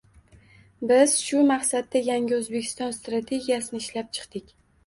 Biz shu maqsadda Yangi O‘zbekiston strategiyasini ishlab chiqdik.